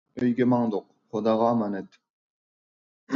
ئۆيگە ماڭدۇق، خۇداغا ئامانەت!